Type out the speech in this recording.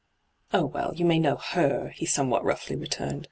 Oh, well, you may know her,' he somewhat roughly retiu ned.